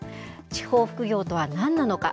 地方副業とはなんなのか。